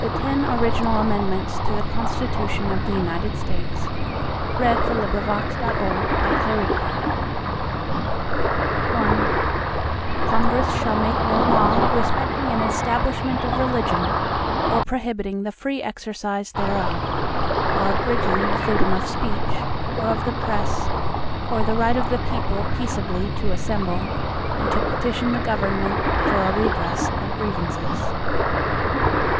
The Ten Original Amendments to the Constitution of the United States Passed by Congress September 25, 1789 Ratified December 15, 1791 I Congress shall make no law respecting an establishment of religion, or prohibiting the free exercise thereof; or abridging the freedom of speech, or of the press, or the right of the people peaceably to assemble, and to petition the Government for a redress of grievances.